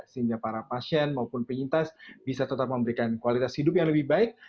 sehingga para pasien maupun penyintas bisa tetap memberikan kualitas hidup yang lebih baik